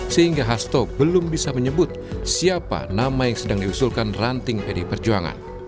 sehingga hasto belum bisa menyebut siapa nama yang sedang diusulkan ranting pdi perjuangan